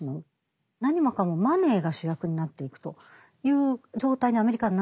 何もかもマネーが主役になっていくという状態にアメリカはなっていった。